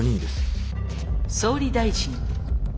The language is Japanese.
「総理大臣」。